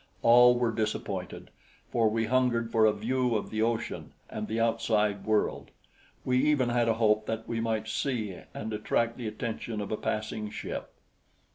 All were disappointed, for we hungered for a view of the ocean and the outside world. We even had a hope that we might see and attract the attention of a passing ship.